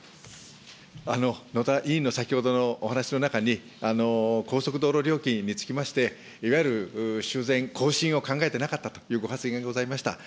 野田委員の先ほどのお話の中に、高速道路料金につきまして、いわゆる修繕、更新を考えていなかったというご発言がございました。